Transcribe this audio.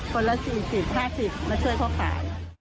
คนละ๔๐๕๐มาช่วยเขาขาย